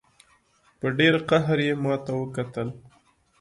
په ډېر قهر یې ماته وکتل.